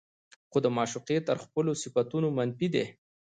خو د معشوقې تر خپلو صفتونو منفي دي